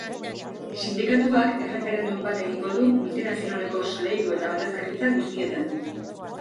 Sindikatuak erreferendum bat egingo du multinazionaleko solairu eta ordezkaritza guztietan.